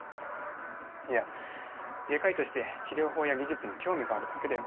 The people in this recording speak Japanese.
いや外科医として治療法や技術に興味があるだけだよ